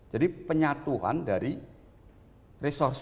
jadi penyatuan dari resursi kantor kantor fisik